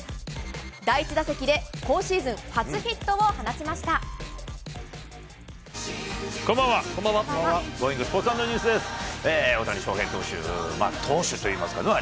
第１打席で今シーズン初ヒットを放ちました。